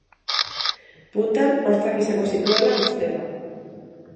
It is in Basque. Puntan hortzak izango zituela uste da.